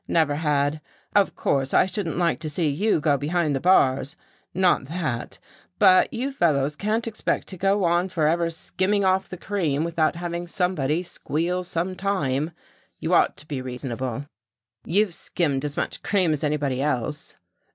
Never had. Of course I shouldn't like to see you go behind the bars, not that. But you fellows can't expect to go on forever skimming off the cream without having somebody squeal sometime. You ought to be reasonable." "You've skimmed as much cream as anybody else."